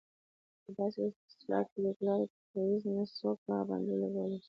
پۀ داسې اېکسټرا کريکولر ايکټويټيز نۀ څوک پابندي لګولے شي